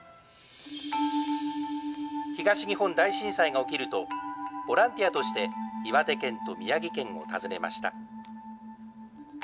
東日本大震災が起きると、ボランティアとして岩手県と宮城県を訪ねました。